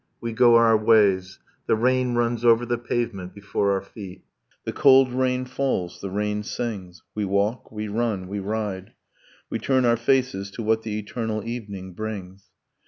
We go our ways, The rain runs over the pavement before our feet, The cold rain falls, the rain sings. We walk, we run, we ride. We turn our faces To what the eternal evening brings.